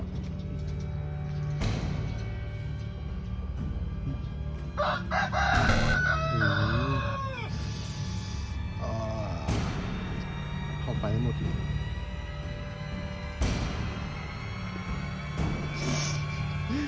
เข้าไปให้หมดเลย